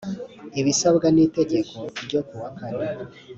ibisabwa n itegeko no ryo kuwa kane